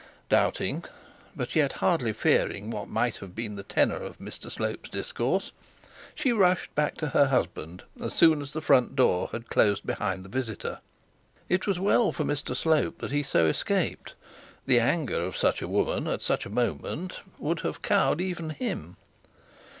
Doubting, but yet hardly fearing, what might have been the tenor of Mr Slope's discourse, she rushed back to her husband as soon as the front door was closed behind the visitor. It was well for Mr Slope that he had so escaped, the anger of such a woman, at such a moment, would have cowed even him.